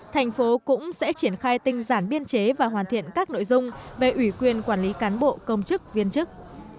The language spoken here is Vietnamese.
thành phố cũng sẽ triển khai tinh giản biên chế và hoàn thiện các nội dung về ủy quyền quản lý cán bộ công chức viên chức